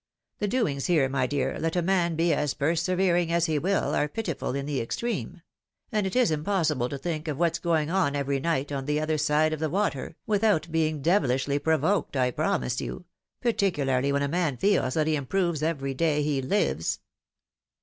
The doings here, my dear, let a man be as persevering as he will, are pitiful in the extreme ; and it is impossible to think of what's going on every night on the other side of the water, without being devilishly provoked, I promise you — particularly when a man feels that he improves every day he lives."